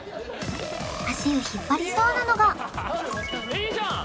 足を引っ張りそうなのがいいじゃん！